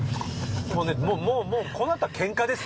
もうねもうもうこうなったらケンカですよ。